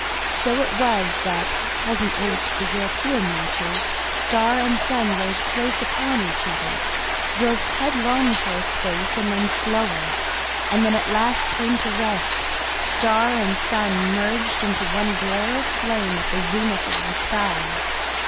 So it was that presently to the European watchers star and sun rose close upon each other, drove headlong for a space and then slower, and at last came to rest, star and sun merged into one glare of flame at the zenith of the sky.